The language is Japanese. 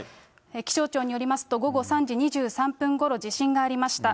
気象庁によりますと、午後３時２３分ごろ、地震がありました。